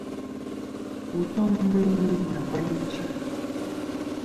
Wù tom meyn mu mɨ abayn ichɨ.